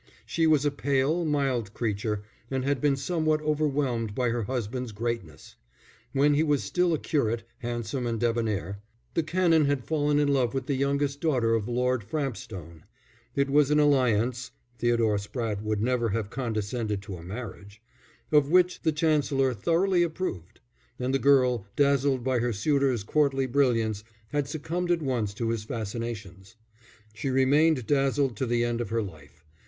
She was a pale, mild creature, and had been somewhat overwhelmed by her husband's greatness. When he was still a curate, handsome and debonair, the Canon had fallen in love with the youngest daughter of Lord Frampstone. It was an alliance, (Theodore Spratte would never have condescended to a marriage,) of which the Chancellor thoroughly approved; and the girl, dazzled by her suitor's courtly brilliance, had succumbed at once to his fascinations. She remained dazzled to the end of her life.